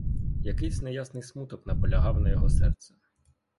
Якийсь неясний смуток наполягав на його серце.